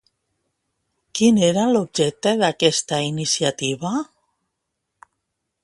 Quin era l'objecte d'aquesta iniciativa?